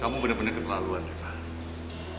kamu bener bener keperluan revah